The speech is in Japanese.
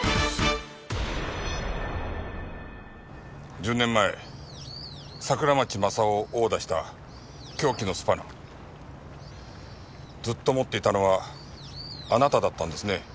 １０年前桜町正夫を殴打した凶器のスパナずっと持っていたのはあなただったんですね。